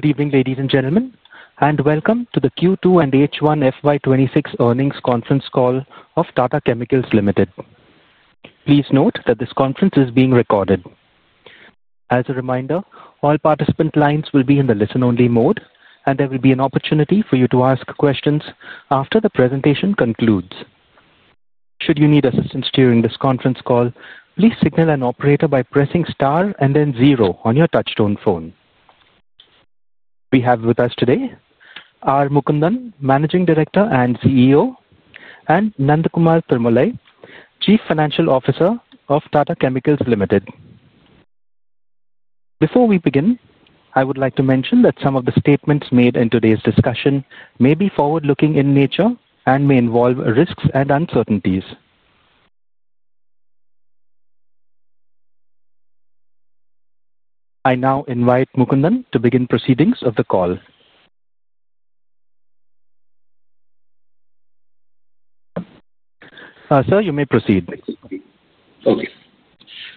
Good evening, ladies and gentlemen, and welcome to the Q2 and H1FY 2026 earnings conference call of Tata Chemicals Limited. Please note that this conference is being recorded. As a reminder, all participant lines will be in the listen-only mode, and there will be an opportunity for you to ask questions after the presentation concludes. Should you need assistance during this conference call, please signal an operator by pressing star and then zero on your touchstone phone. We have with us today R. Mukundan, Managing Director and CEO, and Nandakumar Tirumalai, Chief Financial Officer of Tata Chemicals Limited. Before we begin, I would like to mention that some of the statements made in today's discussion may be forward-looking in nature and may involve risks and uncertainties. I now invite Mukundan to begin proceedings of the call. Sir, you may proceed. Okay.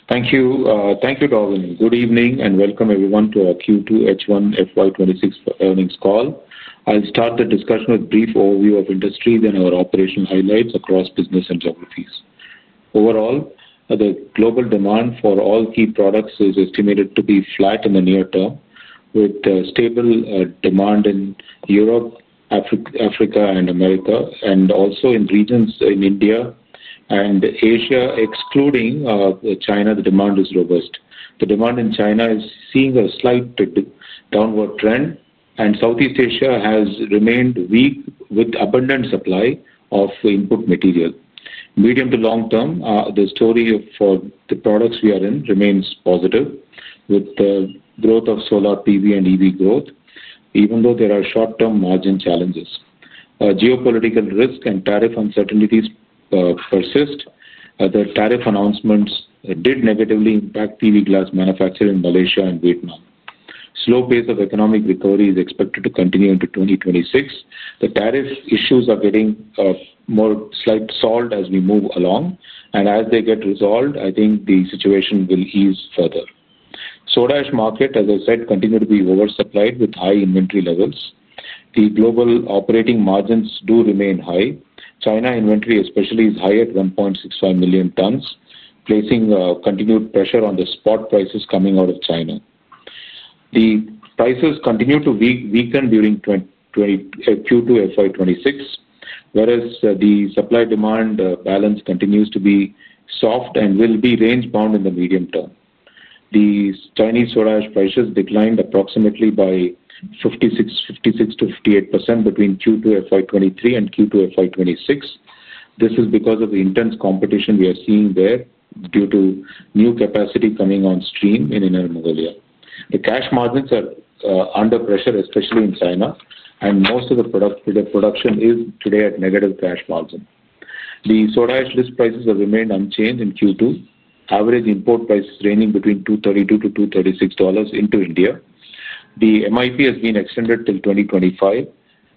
Thank you. Thank you to all. Good evening and welcome, everyone, to our Q2 H1FY 2026 earnings call. I'll start the discussion with a brief overview of industry and our operational highlights across business and geographies. Overall, the global demand for all key products is estimated to be flat in the near term, with stable demand in Europe, Africa, and America, and also in regions in India and Asia, excluding China. The demand is robust. The demand in China is seeing a slight downward trend, and Southeast Asia has remained weak with abundant supply of input material. Medium to long term, the story for the products we are in remains positive, with the growth of solar PV and EV growth, even though there are short-term margin challenges. Geopolitical risk and tariff uncertainties persist. The tariff announcements did negatively impact PV glass manufacturing in Malaysia and Vietnam. Slow pace of economic recovery is expected to continue into 2026. The tariff issues are getting more slightly solved as we move along, and as they get resolved, I think the situation will ease further. The soda market, as I said, continues to be oversupplied with high inventory levels. The global operating margins do remain high. China inventory, especially, is high at 1.65 million tons, placing continued pressure on the spot prices coming out of China. The prices continue to weaken during Q2 FY 2026, whereas the supply-demand balance continues to be soft and will be range-bound in the medium term. The Chinese soda prices declined approximately by 56%-58% between Q2 FY 2023 and Q2 FY 2026. This is because of the intense competition we are seeing there due to new capacity coming on stream in Inner Mongolia. The cash margins are under pressure, especially in China, and most of the production is today at negative cash margin. The soda prices have remained unchanged in Q2, average import prices ranging between $232-$236 into India. The MIP has been extended till 2025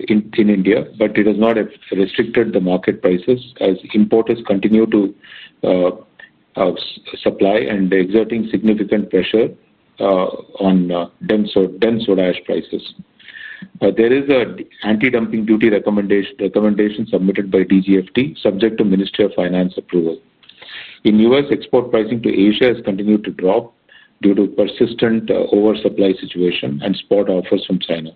in India, but it has not restricted the market prices as importers continue to supply and exert significant pressure on dense soda prices. There is an anti-dumping duty recommendation submitted by DGFT, subject to Ministry of Finance approval. In the U.S., export pricing to Asia has continued to drop due to persistent oversupply situation and spot offers from China.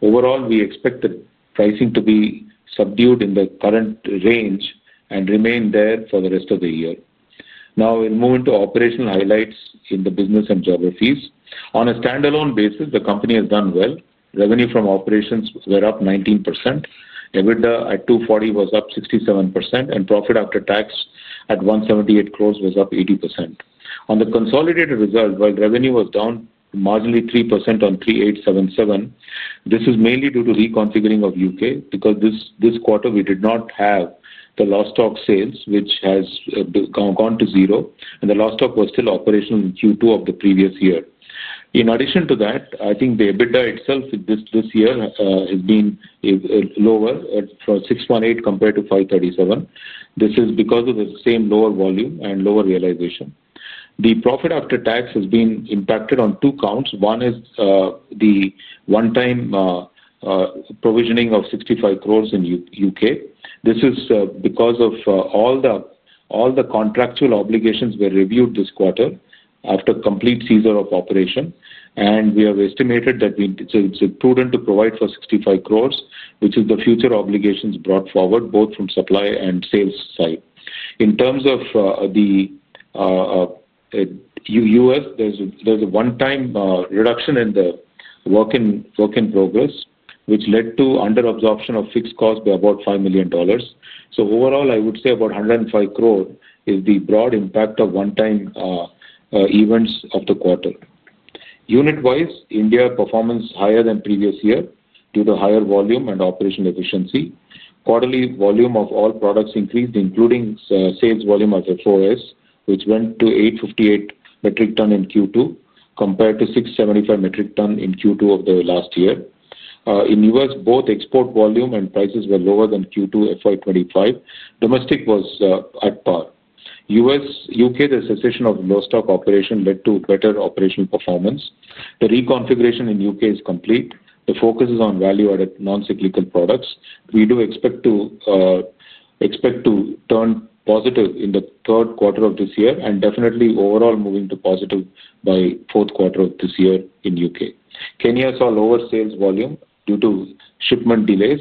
Overall, we expect the pricing to be subdued in the current range and remain there for the rest of the year. Now, we'll move into operational highlights in the business and geographies. On a standalone basis, the company has done well. Revenue from operations were up 19%. EBITDA at 240 was up 67%, and profit after tax at 178 crore was up 80%. On the consolidated result, while revenue was down marginally 3% on 3,877, this is mainly due to reconfiguring of U.K. because this quarter we did not have the Lostock sales, which has gone to zero, and the Lostock was still operational in Q2 of the previous year. In addition to that, I think the EBITDA itself this year has been lower at 6.8x compared to 537. This is because of the same lower volume and lower realization. The profit after tax has been impacted on two counts. One is the one-time provisioning of 65 crore in the U.K. This is because of all the contractual obligations that were reviewed this quarter after complete cessation of operation, and we have estimated that it is prudent to provide for 65 crore, which is the future obligations brought forward both from supply and sales side. In terms of the U.S., there is a one-time reduction in the work in progress, which led to underabsorption of fixed costs by about $5 million. Overall, I would say about 105 crore is the broad impact of one-time events of the quarter. Unit-wise, India's performance is higher than the previous year due to higher volume and operational efficiency. Quarterly volume of all products increased, including sales volume of FOS, which went to 858 metric tons in Q2 compared to 675 metric tons in Q2 of the last year. In the U.S., both export volume and prices were lower than Q2 FY 2025. Domestic was at par. In the U.K., the cessation of Lostock operation led to better operational performance. The reconfiguration in the U.K. is complete. The focus is on value-added non-cyclical products. We do expect to turn positive in the third quarter of this year and definitely overall moving to positive by the fourth quarter of this year in the U.K. Kenya saw lower sales volume due to shipment delays.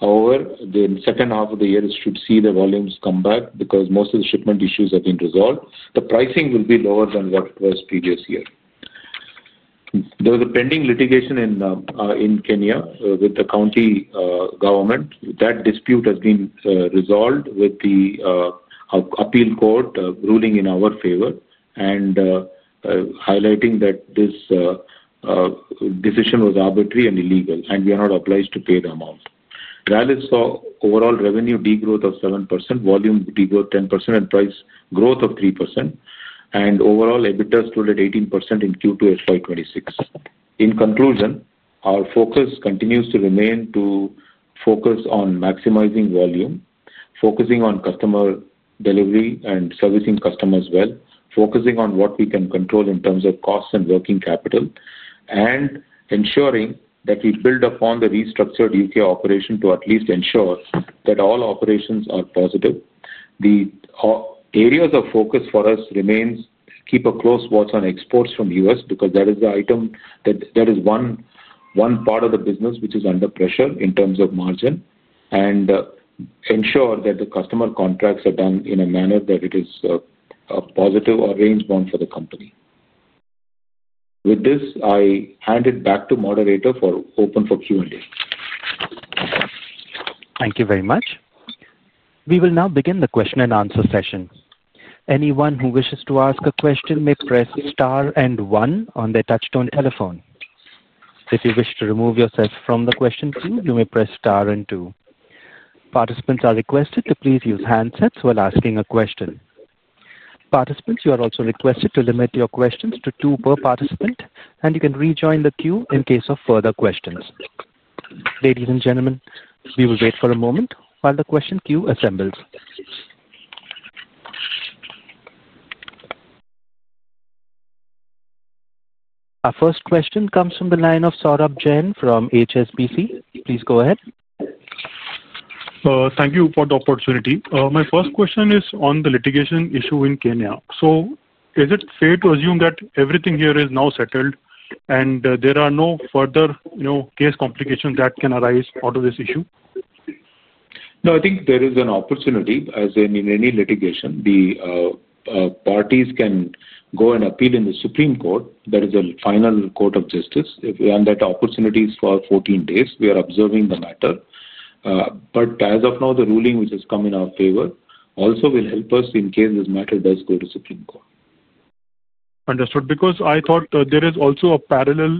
However, the second half of the year should see the volumes come back because most of the shipment issues have been resolved. The pricing will be lower than what it was the previous year. There was a pending litigation in Kenya with the county government. That dispute has been resolved with the appeal court ruling in our favor and highlighting that this decision was arbitrary and illegal, and we are not obliged to pay the amount. Rallis saw overall revenue degrowth of 7%, volume degrowth 10%, and price growth of 3%. Overall, EBITDA stood at 18% in Q2 FY 2026. In conclusion, our focus continues to remain to focus on maximizing volume, focusing on customer delivery and servicing customers well, focusing on what we can control in terms of costs and working capital, and ensuring that we build upon the restructured U.K. operation to at least ensure that all operations are positive. The areas of focus for us remain to keep a close watch on exports from the U.S. because that is the item that is one part of the business which is under pressure in terms of margin and ensure that the customer contracts are done in a manner that it is a positive or range-bound for the company. With this, I hand it back to the moderator for open for Q&A. Thank you very much. We will now begin the question-and-answer session. Anyone who wishes to ask a question may press star and one on their touchstone telephone. If you wish to remove yourself from the question queue, you may press star and two. Participants are requested to please use handsets while asking a question. Participants, you are also requested to limit your questions to two per participant, and you can rejoin the queue in case of further questions. Ladies and gentlemen, we will wait for a moment while the question queue assembles. Our first question comes from the line of Saurabh Jain from HSBC. Please go ahead. Thank you for the opportunity. My first question is on the litigation issue in Kenya. Is it fair to assume that everything here is now settled and there are no further case complications that can arise out of this issue? No, I think there is an opportunity, as in any litigation. The parties can go and appeal in the Supreme Court. That is the final court of justice. That opportunity is for 14 days. We are observing the matter. As of now, the ruling which has come in our favor also will help us in case this matter does go to the Supreme Court. Understood. Because I thought there is also a parallel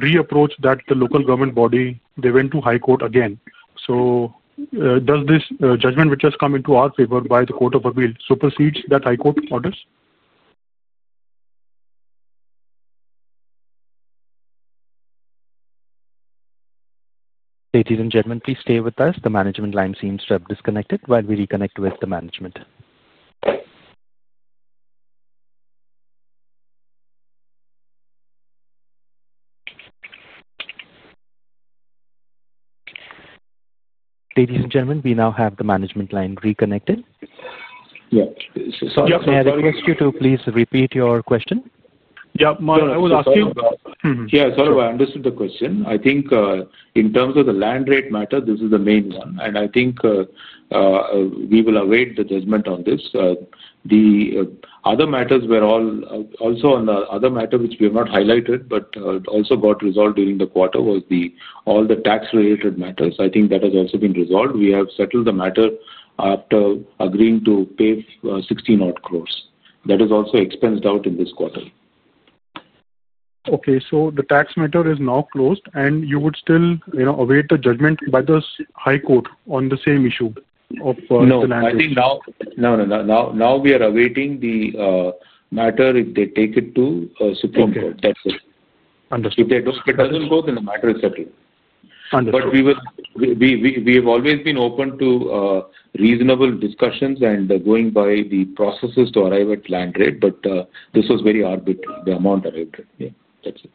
re-approach that the local government body, they went to High Court again. Does this judgment which has come into our favor by the Court of Appeal supersede that High Court orders? Ladies and gentlemen, please stay with us. The management line seems to have disconnected. While we reconnect with the management. Ladies and gentlemen, we now have the management line reconnected. Yeah. Saurabh, may I ask you to please repeat your question? Yeah. I was asking. Yeah. Saurabh, I understood the question. I think in terms of the land rate matter, this is the main one. I think we will await the judgment on this. The other matters were also on the other matter which we have not highlighted but also got resolved during the quarter was all the tax-related matters. I think that has also been resolved. We have settled the matter after agreeing to pay 16 crore. That is also expensed out in this quarter. Okay. So the tax matter is now closed, and you would still await the judgment by the High Court on the same issue of the land rates? No, I think now. No, no, no. Now we are awaiting the matter if they take it to Supreme Court. That's it. Understood. If it doesn't go, then the matter is settled. Understood. We have always been open to reasonable discussions and going by the processes to arrive at land rate. This was very arbitrary. The amount arrived at. Yeah. That's it.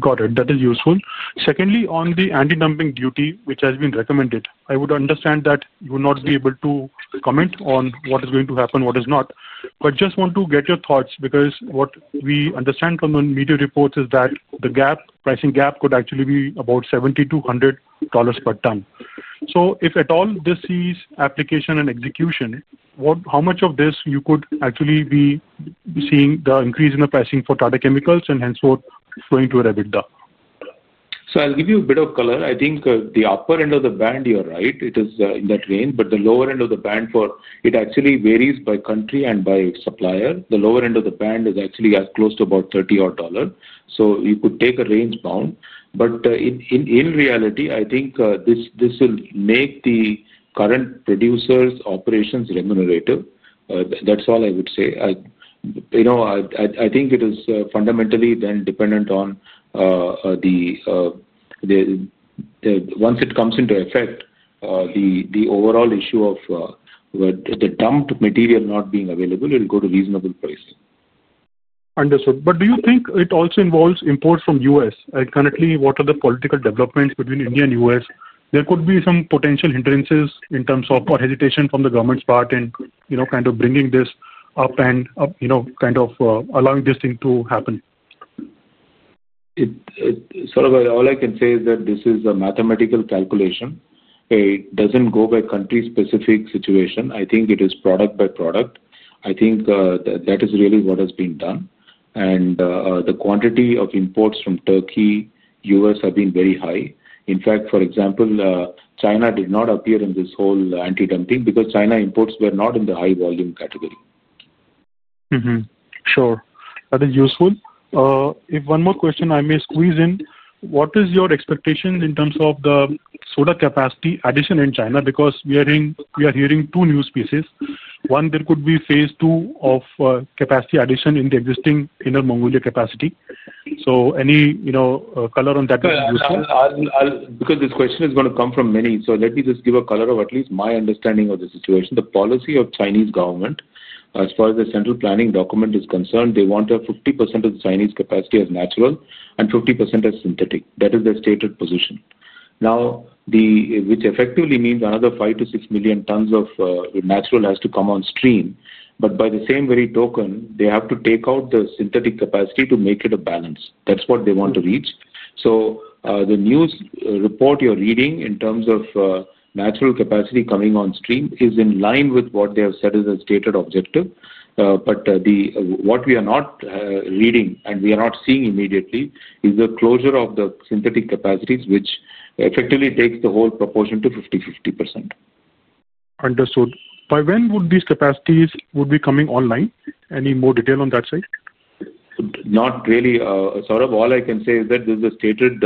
Got it. That is useful. Secondly, on the anti-dumping duty which has been recommended, I would understand that you would not be able to comment on what is going to happen, what is not. Just want to get your thoughts because what we understand from the media reports is that the pricing gap could actually be about $70-$100 per ton. If at all this sees application and execution, how much of this you could actually be seeing the increase in the pricing for Tata Chemicals and henceforth going to EBITDA? I'll give you a bit of color. I think the upper end of the band, you're right, it is in that range. The lower end of the band actually varies by country and by supplier. The lower end of the band is actually as close to about $30. You could take a range-bound. In reality, I think this will make the current producers' operations remunerative. That's all I would say. I think it is fundamentally then dependent on, once it comes into effect, the overall issue of the dumped material not being available. It'll go to reasonable pricing. Understood. Do you think it also involves imports from the U.S.? Currently, what are the political developments between India and the U.S.? There could be some potential hindrances in terms of hesitation from the government's part in kind of bringing this up and kind of allowing this thing to happen. Saurabh, all I can say is that this is a mathematical calculation. It does not go by country-specific situation. I think it is product by product. I think that is really what has been done. The quantity of imports from Turkey, U.S. have been very high. For example, China did not appear in this whole anti-dumping because China imports were not in the high-volume category. Sure. That is useful. One more question I may squeeze in. What is your expectation in terms of Soda Ash capacity addition in China? Because we are hearing two news pieces. One, there could be phase two of capacity addition in the existing Inner Mongolia capacity. Any color on that would be useful. Because this question is going to come from many, let me just give a color of at least my understanding of the situation. The policy of the Chinese government, as far as the central planning document is concerned, they want 50% of the Chinese capacity as natural and 50% as synthetic. That is their stated position. Now, which effectively means another 5 million-6 million tons of natural has to come on stream. By the same very token, they have to take out the synthetic capacity to make it a balance. That is what they want to reach. The news report you are reading in terms of natural capacity coming on stream is in line with what they have said as a stated objective. What we are not reading and we are not seeing immediately is the closure of the synthetic capacities, which effectively takes the whole proportion to 50/50. Understood. By when would these capacities be coming online? Any more detail on that side? Not really. Saurabh, all I can say is that this is a stated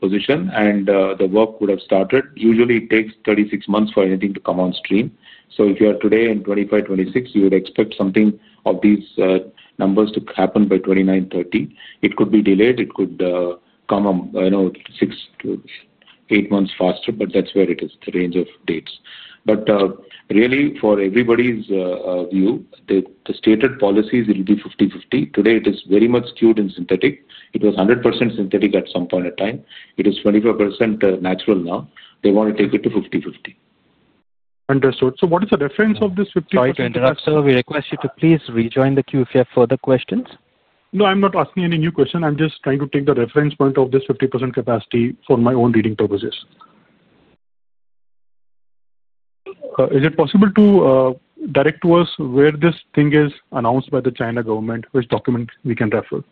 position, and the work would have started. Usually, it takes 36 months for anything to come on stream. If you are today in 2025-2026, you would expect something of these numbers to happen by 2029-2030. It could be delayed. It could come 6 to 8 months faster, but that is where it is, the range of dates. For everybody's view, the stated policy is it will be 50/50. Today, it is very much skewed in synthetic. It was 100% synthetic at some point in time. It is 25% natural now. They want to take it to 50/50. Understood. So what is the reference of this 50/50? Sorry, to interrupt, Saurabh, we request you to please rejoin the queue if you have further questions. No, I'm not asking any new question. I'm just trying to take the reference point of this 50% capacity for my own reading purposes. Is it possible to direct us where this thing is announced by the China government, which document we can refer?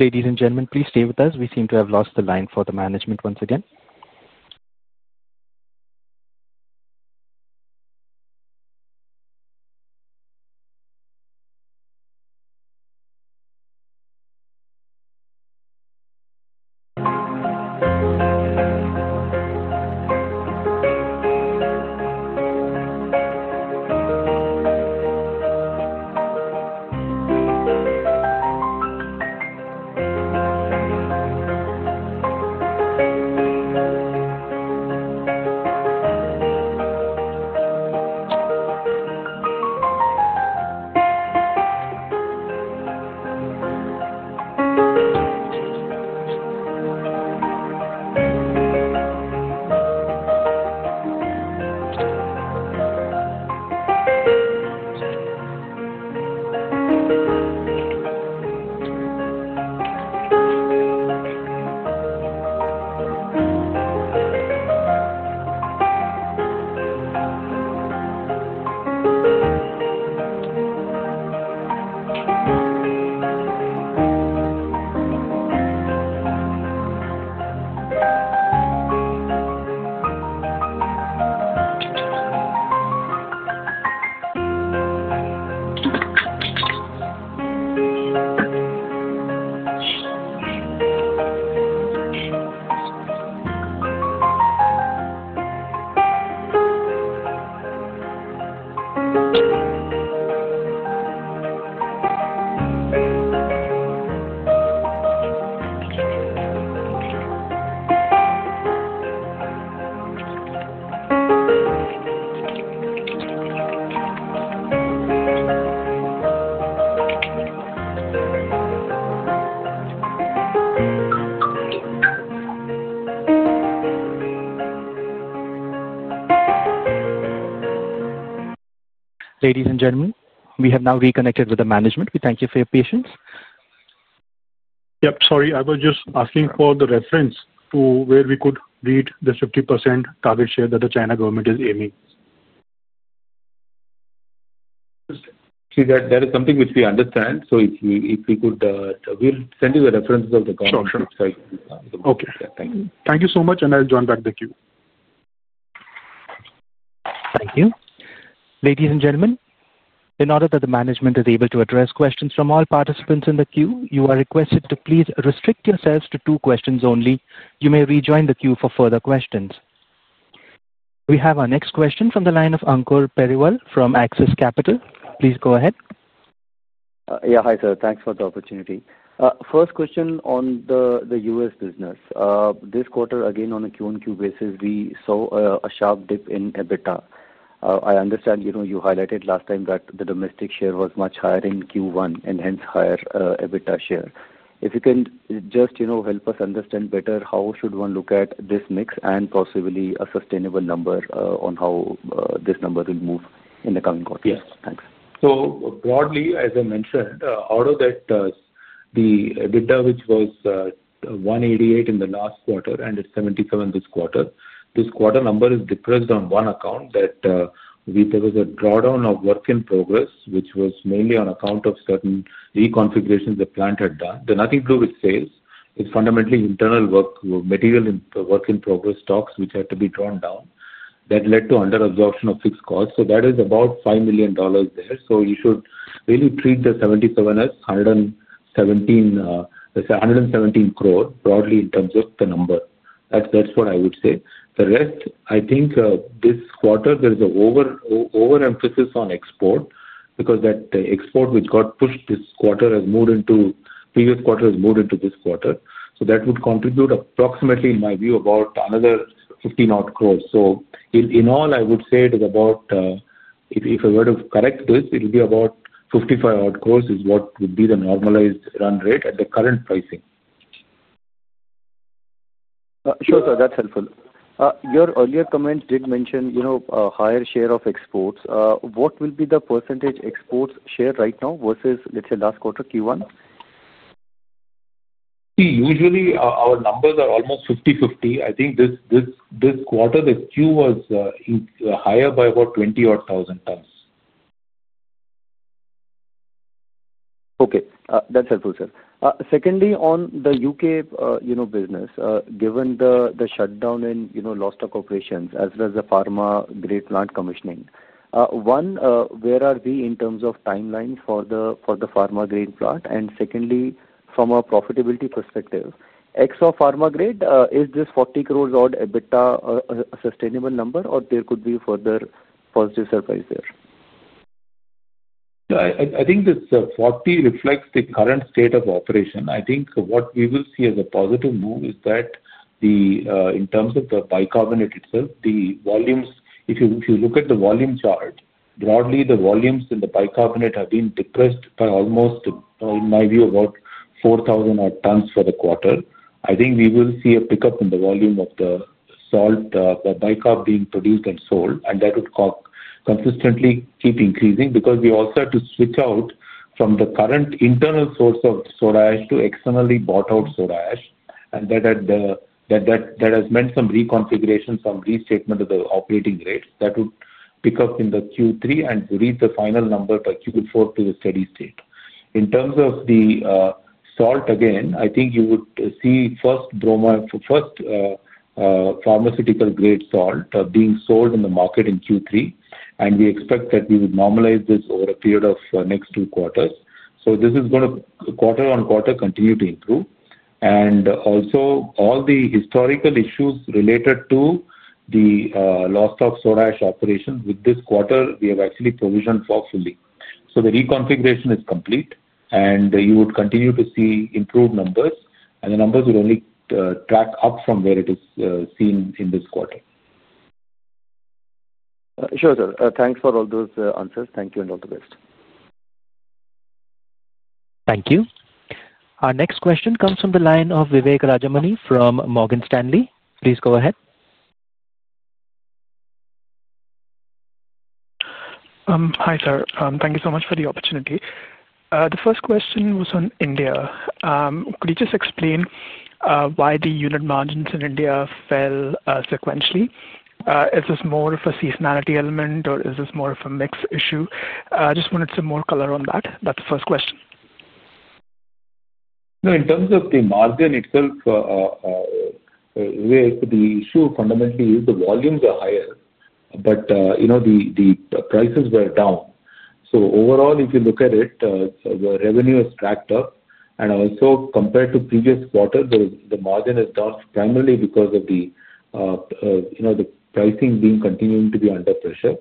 Ladies and gentlemen, please stay with us. We seem to have lost the line for the management once again. Ladies and gentlemen, we have now reconnected with the management. We thank you for your patience. Yep. Sorry. I was just asking for the reference to where we could read the 50% target share that the China government is aiming. See, that is something which we understand. If we could, we'll send you the references of the government. Sure, sure. Thank you. Thank you so much, and I'll join back the queue. Thank you. Ladies and gentlemen, in order that the management is able to address questions from all participants in the queue, you are requested to please restrict yourselves to two questions only. You may rejoin the queue for further questions. We have our next question from the line of Ankur Periwal from Axis Capital. Please go ahead. Yeah. Hi, sir. Thanks for the opportunity. First question on the U.S. business. This quarter, again, on a Q-on-Q basis, we saw a sharp dip in EBITDA. I understand you highlighted last time that the domestic share was much higher in Q1 and hence higher EBITDA share. If you can just help us understand better, how should one look at this mix and possibly a sustainable number on how this number will move in the coming quarter? Yes. Thanks. Broadly, as I mentioned, out of that, the EBITDA, which was $188 million in the last quarter and it is $77 million this quarter, this quarter number is depressed on one account that there was a drawdown of work in progress, which was mainly on account of certain reconfigurations the plant had done. Nothing to do with sales, it is fundamentally internal work, material work in progress stocks which had to be drawn down. That led to underabsorption of fixed costs. That is about $5 million there. You should really treat the $77 million as 117 crore, broadly in terms of the number. That is what I would say. The rest, I think this quarter, there is an overemphasis on export because that export, which got pushed this quarter, has moved into previous quarter, has moved into this quarter. That would contribute approximately, in my view, about another 15 crore. In all, I would say it is about, if I were to correct this, it would be about 55 crore is what would be the normalized run rate at the current pricing. Sure, sir. That's helpful. Your earlier comments did mention a higher share of exports. What will be the percentage exports share right now versus, let's say, last quarter, Q1? See, usually, our numbers are almost 50/50. I think. This quarter, the Q was higher by about 20 odd thousand tons. Okay. That's helpful, sir. Secondly, on the U.K. business, given the shutdown in Lostock operations as well as the pharma-grade plant commissioning, one, where are we in terms of timeline for the pharma-grade plant? And secondly, from a profitability perspective, X of pharma-grade, is this 40 crore odd EBITDA a sustainable number, or there could be further positive surprise there? I think the 40 reflects the current state of operation. I think what we will see as a positive move is that. In terms of the bicarbonate itself, the volumes, if you look at the volume chart, broadly, the volumes in the bicarbonate have been depressed by almost, in my view, about 4,000 odd tons for the quarter. I think we will see a pickup in the volume of the salt, the Bicarb being produced and sold. That would consistently keep increasing because we also had to switch out from the current internal source of Soda Ash to externally bought-out Soda Ash. That has meant some reconfiguration, some restatement of the operating rate. That would pick up in Q3 and reach the final number by Q4 to the steady state. In terms of the salt, again, I think you would see first pharmaceutical-grade salt being sold in the market in Q3. We expect that we would normalize this over a period of the next two quarters. This is going to quarter on quarter continue to improve. Also, all the historical issues related to the Lostock Soda Ash operations, with this quarter, we have actually provisioned for fully. The reconfiguration is complete. You would continue to see improved numbers. The numbers would only track up from where it is seen in this quarter. Sure, sir. Thanks for all those answers. Thank you, and all the best. Thank you. Our next question comes from the line of Vivek Rajamani from Morgan Stanley. Please go ahead. Hi, sir. Thank you so much for the opportunity. The first question was on India. Could you just explain why the unit margins in India fell sequentially? Is this more of a seasonality element, or is this more of a mix issue? I just wanted some more color on that. That's the first question. No, in terms of the margin itself. The issue fundamentally is the volumes are higher, but the prices were down. Overall, if you look at it, the revenue has tracked up. Also, compared to previous quarters, the margin is down primarily because of the pricing being continuing to be under pressure.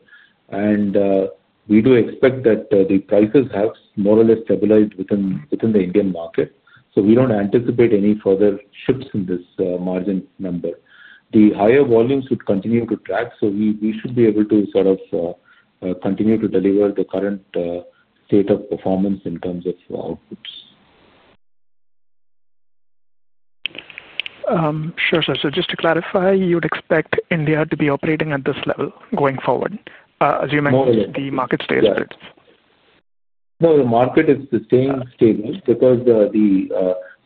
We do expect that the prices have more or less stabilized within the Indian market. We do not anticipate any further shifts in this margin number. The higher volumes would continue to track, so we should be able to sort of continue to deliver the current state of performance in terms of outputs. Sure, sir. So just to clarify, you would expect India to be operating at this level going forward, assuming the market stays stable? No, the market is staying stable because, see,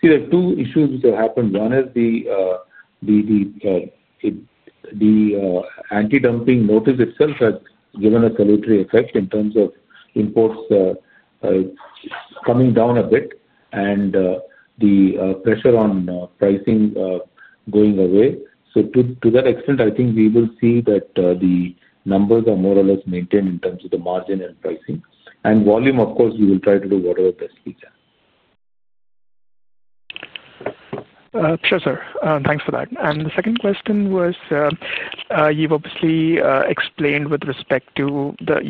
there are two issues which have happened. One is the anti-dumping notice itself has given a salutary effect in terms of imports coming down a bit, and the pressure on pricing going away. To that extent, I think we will see that the numbers are more or less maintained in terms of the margin and pricing. Volume, of course, we will try to do whatever best we can. Sure, sir. Thanks for that. The second question was, you've obviously explained with respect to the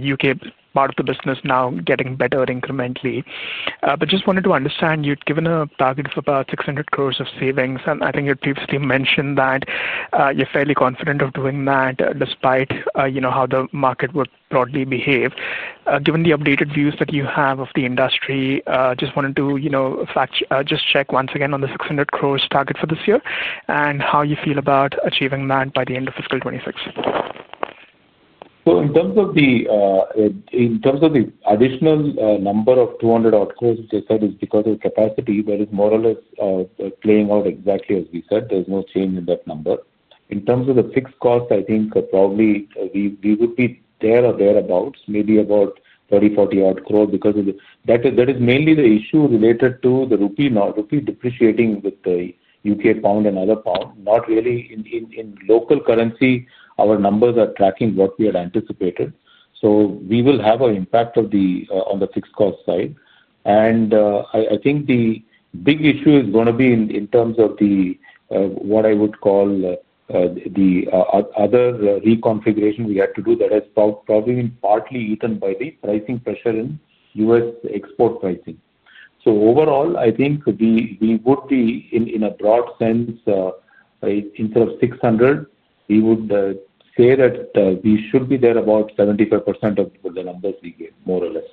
U.K. part of the business now getting better incrementally. I just wanted to understand, you'd given a target of about 600 crore of savings. I think you'd previously mentioned that you're fairly confident of doing that despite how the market would broadly behave. Given the updated views that you have of the industry, I just wanted to check once again on the 600 crore target for this year and how you feel about achieving that by the end of fiscal 2026. In terms of the additional number of 200 crore odd, as I said, is because of capacity, but it's more or less playing out exactly as we said. There's no change in that number. In terms of the fixed cost, I think probably we would be there or thereabouts, maybe about 30, 40 crore odd because that is mainly the issue related to the rupee depreciating with the U.K. pound and other pound. Not really in local currency, our numbers are tracking what we had anticipated. We will have an impact on the fixed cost side. I think the big issue is going to be in terms of what I would call the other reconfiguration we had to do that has probably been partly eaten by the pricing pressure in U.S. export pricing. Overall, I think we would be, in a broad sense, instead of 600 crore, we would say that we should be there about 75% of the numbers we gave, more or less.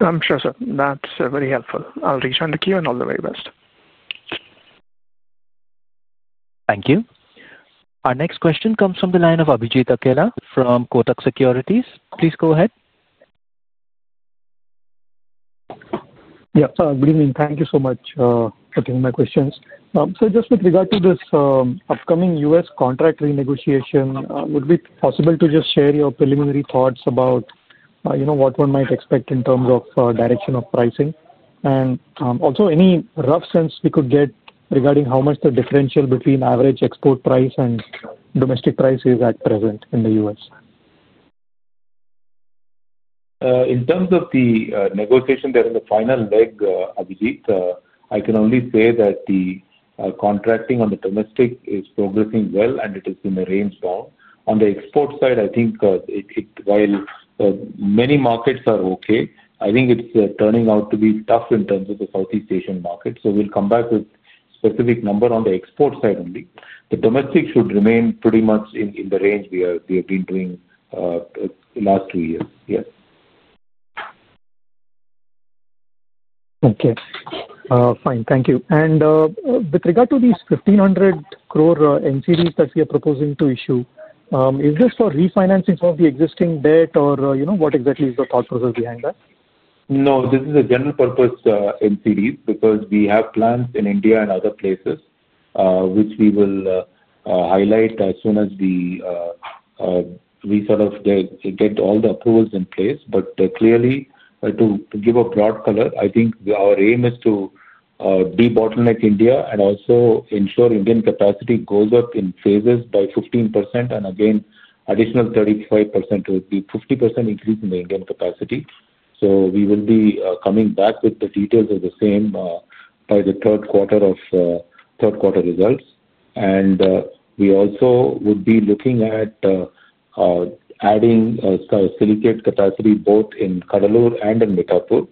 I'm sure, sir. That's very helpful. I'll rejoin the queue and all the very best. Thank you. Our next question comes from the line of Abhijit Akella from Kotak Securities. Please go ahead. Yeah. Good evening. Thank you so much for taking my questions. Just with regard to this upcoming U.S. contract renegotiation, would it be possible to just share your preliminary thoughts about what one might expect in terms of direction of pricing? Also, any rough sense we could get regarding how much the differential between average export price and domestic price is at present in the U.S.? In terms of the negotiation, there is a final leg, Abhijit. I can only say that the contracting on the domestic is progressing well, and it is in the range now. On the export side, I think while many markets are okay, I think it is turning out to be tough in terms of the Southeast Asian market. We will come back with specific numbers on the export side only. The domestic should remain pretty much in the range we have been doing the last two years. Yes. Okay. Fine. Thank you. With regard to these 1,500 crore NCDs that we are proposing to issue, is this for refinancing some of the existing debt, or what exactly is the thought process behind that? No, this is a general-purpose NCD because we have plans in India and other places which we will highlight as soon as we sort of get all the approvals in place. Clearly, to give a broad color, I think our aim is to debottleneck India and also ensure Indian capacity goes up in phases by 15%. Again, additional 35% would be a 50% increase in the Indian capacity. We will be coming back with the details of the same by the third quarter of results. We also would be looking at adding silicate capacity both in Cuddalore and in Mithapur.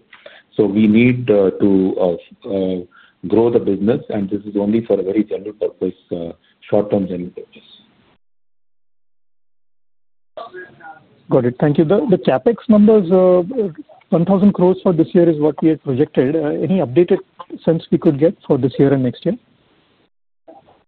We need to grow the business. This is only for a very general-purpose, short-term general purpose. Got it. Thank you. The CapEx numbers. 1,000 crore for this year is what we had projected. Any updated sense we could get for this year and next year?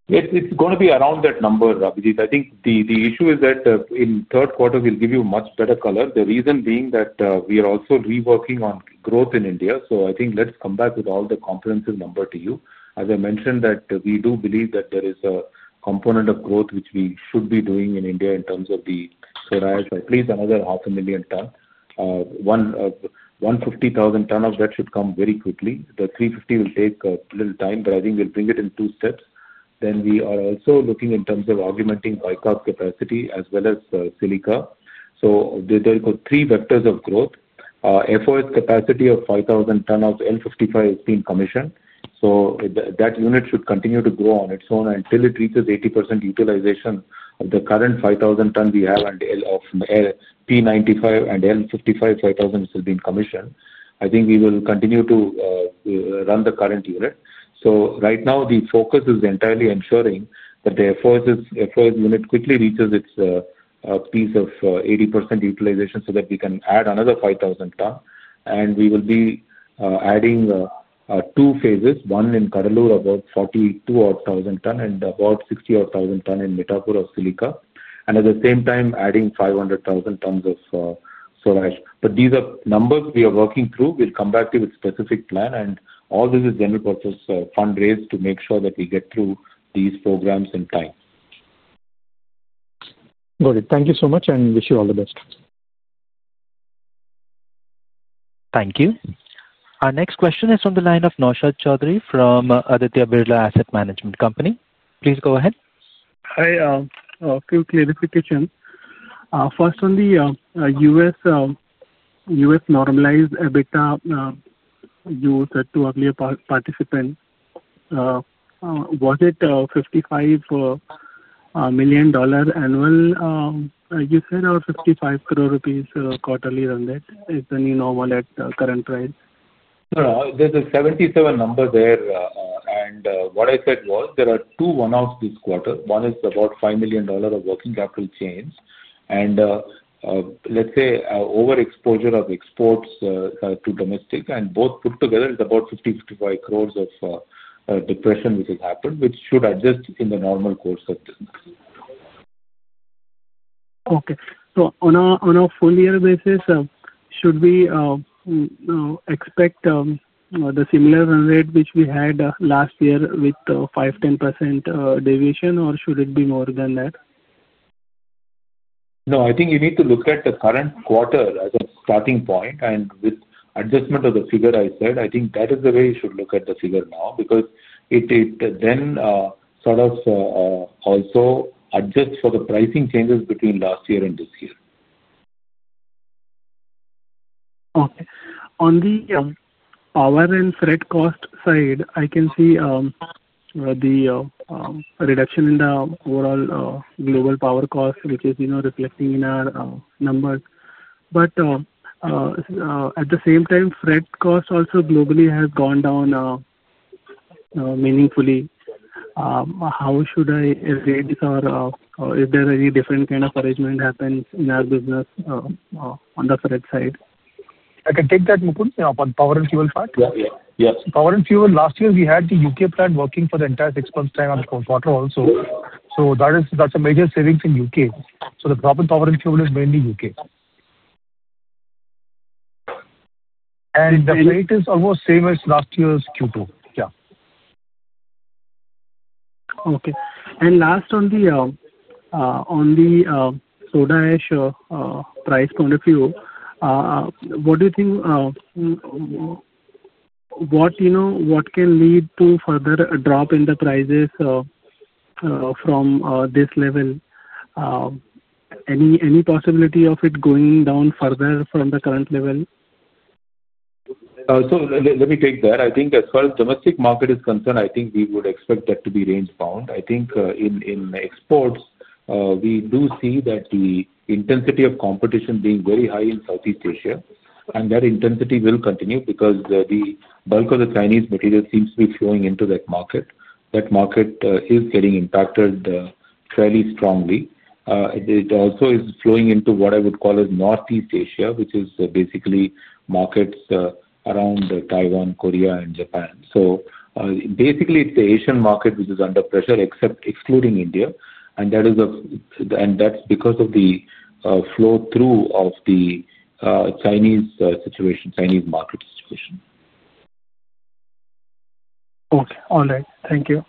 It's going to be around that number, Abhijit. I think the issue is that in third quarter, we'll give you much better color. The reason being that we are also reworking on growth in India. I think let's come back with all the comprehensive number to you. As I mentioned, we do believe that there is a component of growth which we should be doing in India in terms of the Soda Ash, at least another 500,000 ton. 150,000 ton of that should come very quickly. The 350,000 will take a little time, but I think we'll bring it in two steps. We are also looking in terms of augmenting Bicarb capacity as well as Silica. There are three vectors of growth. FOS capacity of 5,000 ton of L55 has been commissioned. That unit should continue to grow on its own until it reaches 80% utilization of the current 5,000 ton we have and of P95 and L55, 5,000 which has been commissioned. I think we will continue to run the current unit. Right now, the focus is entirely ensuring that the FOS unit quickly reaches its piece of 80% utilization so that we can add another 5,000 ton. We will be adding in two phases, one in Cuddalore, about 42,000 ton, and about 60,000 ton in Mithapur of Silica. At the same time, adding 500,000 ton of Soda Ash. These are numbers we are working through. We'll come back to you with a specific plan. All this is general-purpose fundraise to make sure that we get through these programs in time. Got it. Thank you so much and wish you all the best. Thank you. Our next question is from the line of Naushad Choudhary from Aditya Birla Asset Management Company. Please go ahead. Hi. A few clarifications. First, on the U.S. Normalized EBITDA. You said to earlier participants. Was it a $55 million annual. You said, or 55 crore rupees quarterly on that? Is the new normal at current price? No, there's a 77 crore number there. What I said was there are two one-offs this quarter. One is about $5 million of working capital chains. Let's say overexposure of exports to domestic. Both put together is about 50 crore- 55 crore of depression which has happened, which should adjust in the normal course of business. Okay. So on a full-year basis, should we expect the similar rate which we had last year with 5%-10% deviation, or should it be more than that? No, I think you need to look at the current quarter as a starting point. With adjustment of the figure I said, I think that is the way you should look at the figure now because it then sort of also adjusts for the pricing changes between last year and this year. Okay. On the power and freight cost side, I can see the reduction in the overall global power cost, which is reflecting in our numbers. At the same time, freight cost also globally has gone down meaningfully. How should I rate this? Is there any different kind of arrangement happening in our business on the freight side? I can take that, Mukund, on power and fuel part? Yeah. Yeah. Power and fuel, last year, we had the U.K. plant working for the entire six months' time on the quarter also. That is a major savings in the U.K. The problem with power and fuel is mainly U.K., and the rate is almost same as last year's Q2. Yeah. Okay. Last, on the Soda Ash price point of view, what do you think? What can lead to further drop in the prices from this level? Any possibility of it going down further from the current level? Let me take that. I think as far as the domestic market is concerned, I think we would expect that to be range-bound. I think in exports, we do see that the intensity of competition being very high in Southeast Asia. That intensity will continue because the bulk of the Chinese materials seems to be flowing into that market. That market is getting impacted fairly strongly. It also is flowing into what I would call as Northeast Asia, which is basically markets around Taiwan, Korea, and Japan. Basically, it is the Asian market which is under pressure, excluding India. That is because of the flow-through of the Chinese market situation. Okay. All right. Thank you.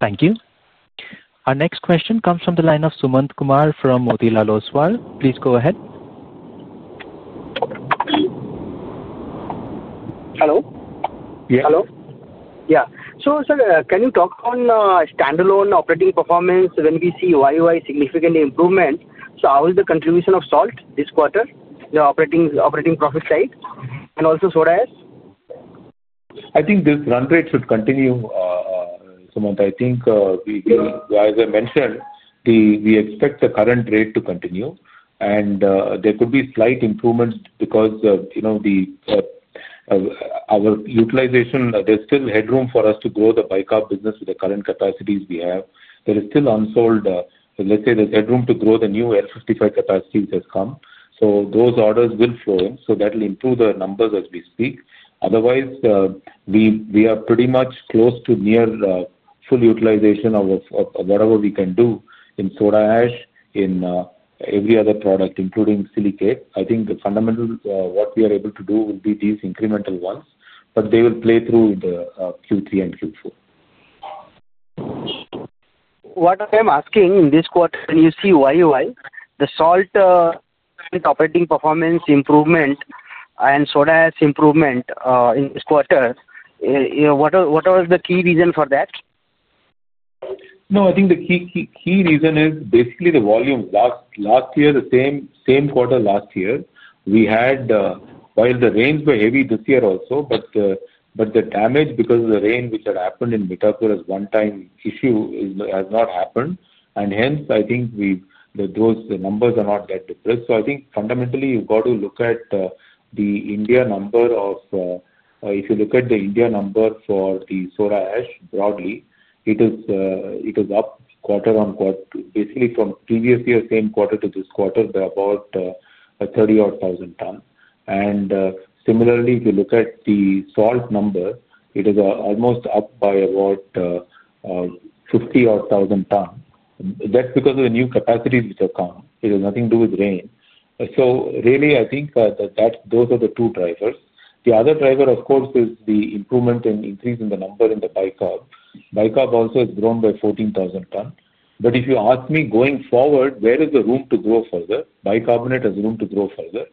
Thank you. Our next question comes from the line of Sumant Kumar from Motilal Oswal. Please go ahead. Hello? Yeah. Hello? Yeah. Sir, can you talk on standalone operating performance when we see YoY significant improvement? How is the contribution of salt this quarter in the operating profit side? Also Soda Ash? I think this run rate should continue. Sumant. I think. As I mentioned, we expect the current rate to continue. There could be slight improvement because our utilization, there is still headroom for us to grow the Bicarb business with the current capacities we have. There is still unsold, let's say, there is headroom to grow the new L55 capacities that have come. Those orders will flow in. That will improve the numbers as we speak. Otherwise, we are pretty much close to near full utilization of whatever we can do in Soda Ash, in every other product, including silicate. I think the fundamental, what we are able to do will be these incremental ones. They will play through in the Q3 and Q4. What I'm asking, in this quarter, when you see YoY, the salt. Operating performance improvement and Soda Ash improvement in this quarter. What was the key reason for that? No, I think the key reason is basically the volume. Last year, the same quarter last year, we had. While the rains were heavy this year also, the damage because of the rain which had happened in Mithapur as a one-time issue has not happened. I think those numbers are not that depressed. I think fundamentally, you have got to look at the India number. If you look at the India number for the Soda Ash broadly, it is up quarter on quarter, basically from previous year's same quarter to this quarter, about 30 odd thousand ton. Similarly, if you look at the salt number, it is almost up by about 50 odd thousand ton. That is because of the new capacities which have come. It has nothing to do with rain. I think those are the two drivers. The other driver, of course, is the improvement and increase in the number in the Bicarb. Bicarb also has grown by 14,000 ton. If you ask me, going forward, where is the room to grow further? Bicarbonate has room to grow further.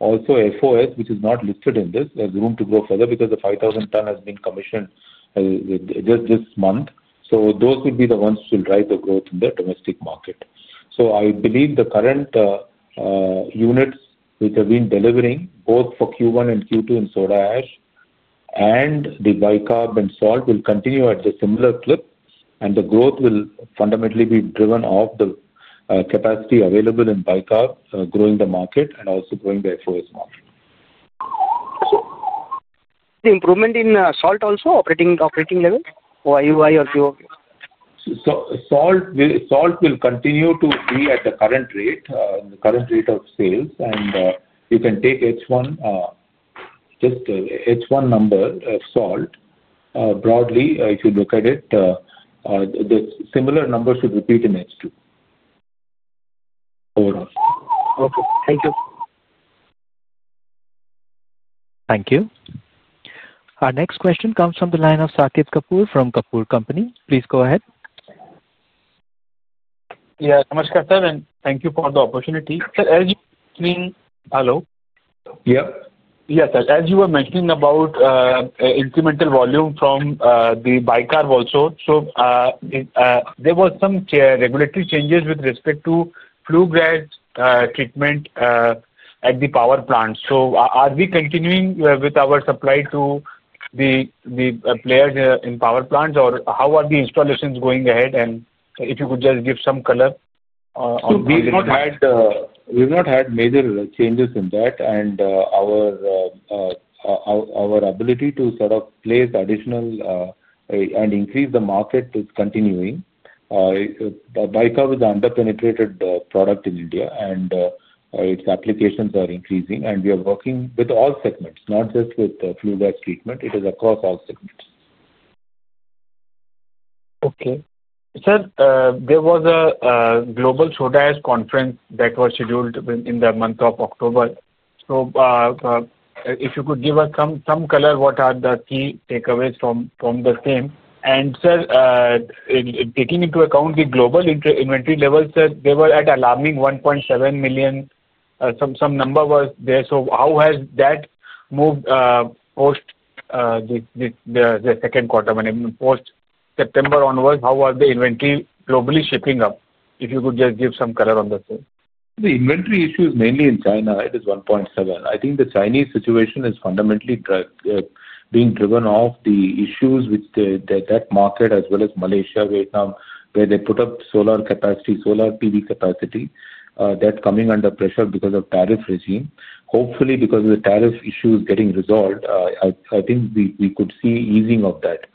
Also, FOS, which is not listed in this, has room to grow further because the 5,000 ton has been commissioned this month. Those would be the ones which will drive the growth in the domestic market. I believe the current units which have been delivering, both for Q1 and Q2 in Soda Ash and the Bicarb and salt, will continue at the similar clip. The growth will fundamentally be driven off the capacity available in Bicarb, growing the market and also growing the FOS market. The improvement in salt also, operating level? Or year-over-year or quarter-over-quarter? Salt will continue to be at the current rate, the current rate of sales. You can take H1, just H1 number of salt. Broadly, if you look at it, the similar number should repeat in H2 overall. Okay. Thank you. Thank you. Our next question comes from the line of Satish Kapoor from Kapoor Company. Please go ahead. Yeah. Namaskar, sir. Thank you for the opportunity. Sir, as you were mentioning, hello? Yeah. Yeah, sir. As you were mentioning about incremental volume from the Bicarb also, there were some regulatory changes with respect to flue gas treatment at the power plants. Are we continuing with our supply to the players in power plants, or how are the installations going ahead? If you could just give some color. We have not had major changes in that. Our ability to sort of place additional and increase the market is continuing. Bicarb is an under-penetrated product in India, and its applications are increasing. We are working with all segments, not just with flue gas treatment. It is across all segments. Okay. Sir, there was a global Soda Ash conference that was scheduled in the month of October. If you could give us some color, what are the key takeaways from the same? Sir, taking into account the global inventory levels, sir, they were at alarming 1.7 million. Some number was there. How has that moved post the second quarter, post September onwards? How are the inventory globally shaping up? If you could just give some color on the same. The inventory issue is mainly in China. It is 1.7 million. I think the Chinese situation is fundamentally being driven off the issues with that market, as well as Malaysia, Vietnam, where they put up solar capacity, solar PV capacity, that's coming under pressure because of tariff regime. Hopefully, because of the tariff issues getting resolved, I think we could see easing of that.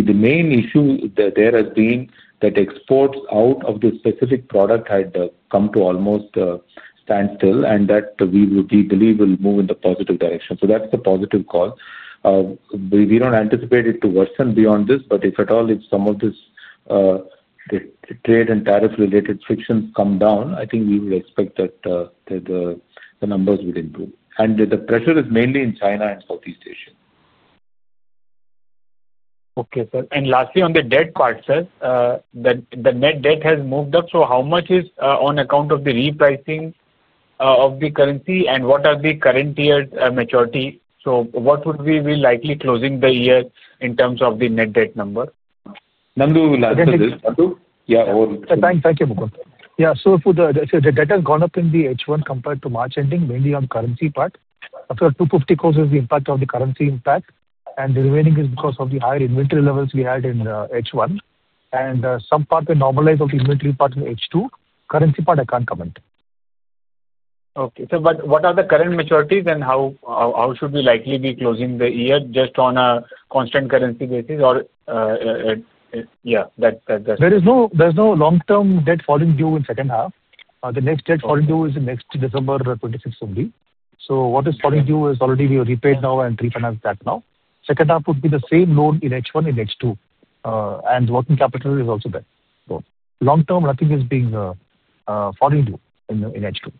The main issue there has been that exports out of the specific product had come to almost standstill, and that we believe will move in the positive direction. That is the positive call. We do not anticipate it to worsen beyond this. If at all, if some of this trade and tariff-related frictions come down, I think we would expect that the numbers would improve. The pressure is mainly in China and Southeast Asia. Okay, sir. Lastly, on the debt part, sir. The net debt has moved up. How much is on account of the repricing of the currency? What are the current year's maturity? What would we be likely closing the year in terms of the net debt number? Nandakumar, will answer that. Thank you, Mukundan. Yeah. So the debt has gone up in the H1 compared to March ending, mainly on the currency part. Of course, 250 crore is the impact of the currency impact. And the remaining is because of the higher inventory levels we had in H1. And some part may normalize of the inventory part in H2. Currency part, I can't comment. Okay. But what are the current maturities? And how should we likely be closing the year? Just on a constant currency basis or. Yeah, that's it. There is no long-term debt falling due in the second half. The next debt falling due is next December 26th only. What is falling due is already we repaid now and refinanced that now. Second half would be the same loan in H1 in H2. Working capital is also there. Long-term, nothing is being falling due in H2.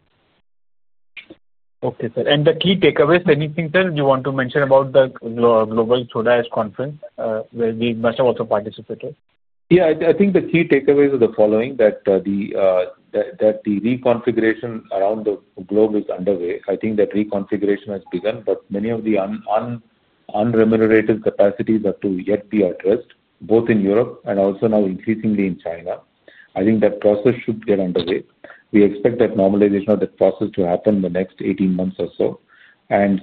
Okay, sir. The key takeaways, anything, sir, you want to mention about the global Soda Ash conference where we must have also participated? Yeah. I think the key takeaways are the following: that the reconfiguration around the globe is underway. I think that reconfiguration has begun. Many of the unremunerated capacities have yet to be addressed, both in Europe and also now increasingly in China. I think that process should get underway. We expect that normalization of that process to happen in the next 18 months or so.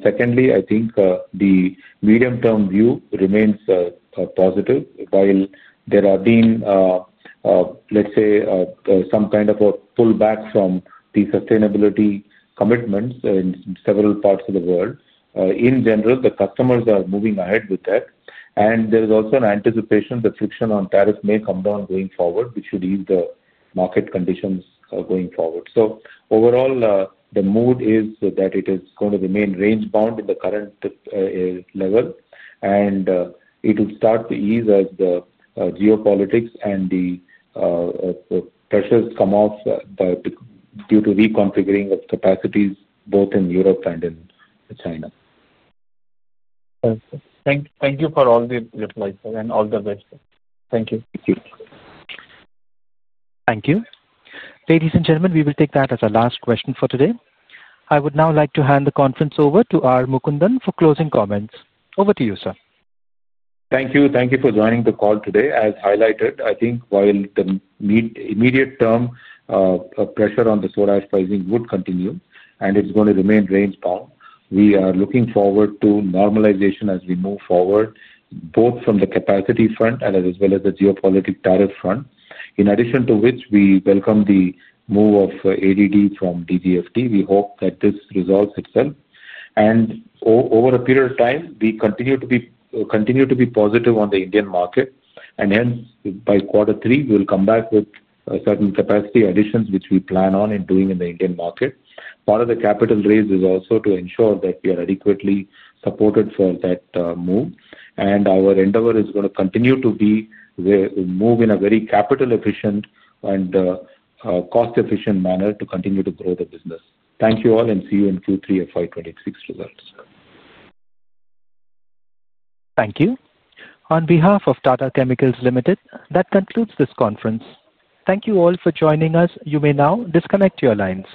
Secondly, I think the medium-term view remains positive. While there have been, let's say, some kind of a pullback from the sustainability commitments in several parts of the world, in general, the customers are moving ahead with that. There is also an anticipation that friction on tariffs may come down going forward, which should ease the market conditions going forward. Overall, the mood is that it is going to remain range-bound in the current level. It will start to ease as the geopolitics and the pressures come off due to reconfiguring of capacities, both in Europe and in China. Thank you for all the replies, sir, and all the best. Thank you. Thank you. Thank you. Ladies and gentlemen, we will take that as our last question for today. I would now like to hand the conference over to R. Mukundan for closing comments. Over to you, sir. Thank you. Thank you for joining the call today. As highlighted, I think while the immediate term pressure on the Soda Ash pricing would continue and it's going to remain range-bound, we are looking forward to normalization as we move forward, both from the capacity front as well as the geopolitic tariff front. In addition to which, we welcome the move of ADD from DGFT. We hope that this resolves itself. Over a period of time, we continue to be positive on the Indian market. Hence, by quarter three, we'll come back with certain capacity additions which we plan on doing in the Indian market. Part of the capital raise is also to ensure that we are adequately supported for that move. Our endeavor is going to continue to be to move in a very capital-efficient and cost-efficient manner to continue to grow the business. Thank you all, and see you in Q3 FY 2026 results. Thank you. On behalf of Tata Chemicals Limited, that concludes this conference. Thank you all for joining us. You may now disconnect your lines.